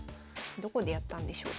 どこでやったんでしょうか。